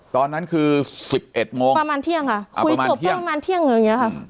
ตอนนั้นคือ๑๑โมงประมาณเที่ยงค่ะคุยจบประมาณเที่ยงหนึ่งอย่างนี้ค่ะ